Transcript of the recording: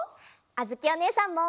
あづきおねえさんも！